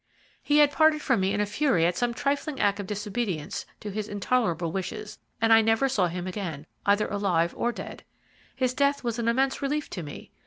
He had parted from me in a fury at some trifling act of disobedience to his intolerable wishes, and I never saw him again, either alive or dead. His death was an immense relief to me.